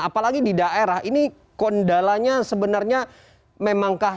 apalagi di daerah ini kondalanya sebenarnya memangkah